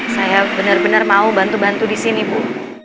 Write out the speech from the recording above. saya benar benar mau bantu bantu disini bu